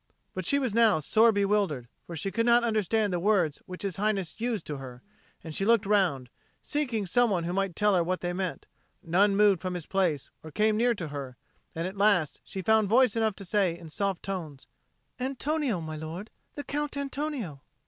But she was now sore bewildered, for she could not understand the words which His Highness used to her, and she looked round, seeking some one who might tell her what they meant, but none moved from his place or came near to her; and at last she found voice enough to say in soft tones, "Antonio, my lord, the Count Antonio!"